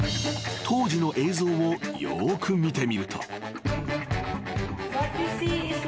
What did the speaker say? ［当時の映像をよく見てみると］